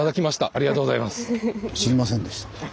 ありがとうございます。